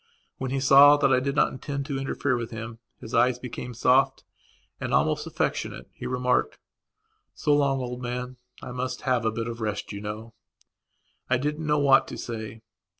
When he saw that I did not intend to interfere with him his eyes became soft and almost affectionate. He remarked: "So long, old man, I must have a bit of a rest, you know." I didn't know what to say.